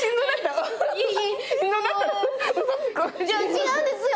違うんですよ。